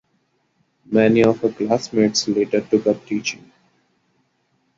Many of her classmates later took up teaching.